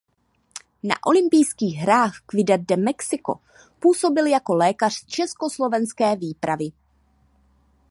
Na olympijských hrách v Ciudad de Mexico působil jako lékař československé výpravy.